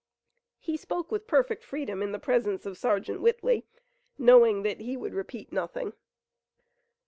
He spoke with perfect freedom in the presence of Sergeant Whitley, knowing that he would repeat nothing.